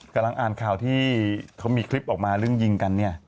กำลังอ่านข่าวที่เขามีคลิปออกมาเรื่องยิงกันเนี่ย